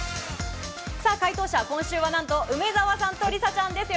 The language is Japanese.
さあ、解答者、今週はなんと、梅澤さんと梨紗ちゃんです。